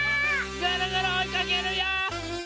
ぐるぐるおいかけるよ！